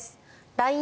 ＬＩＮＥ